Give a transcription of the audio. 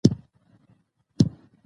دا ژورنال د یوې سیمې استازیتوب نه کوي.